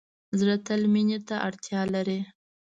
زړه تل مینې ته اړتیا لري.